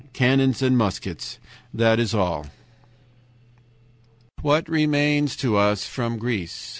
Cannons and muskets. That is all. "What remains to us from Greece?